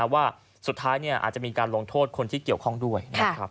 ว่าสุดท้ายอาจจะมีการลงโทษคนที่เกี่ยวข้องด้วยนะครับ